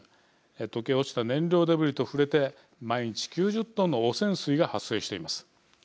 溶け落ちた燃料デブリと触れて毎日９０トンの汚染水が発生しています。